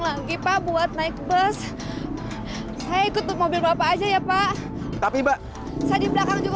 lagi pak buat naik bus saya ikut mobil bapak aja ya pak tapi pak saya di belakang juga